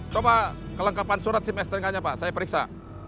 coba kelengkapan surat sim stnk nya pak saya periksa